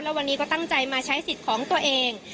วันนี้ก็ตั้งใจมาใช้สิทธิ์ของตัวเอง